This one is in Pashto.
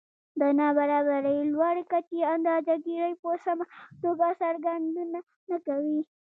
د نابرابرۍ لوړې کچې اندازه ګيرۍ په سمه توګه څرګندونه نه کوي